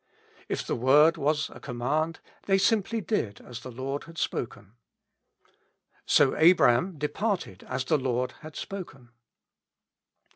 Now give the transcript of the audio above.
If the word was a command, they simply did as the Loi'd had spokeit : "So Abram departed as the Lord had spoken."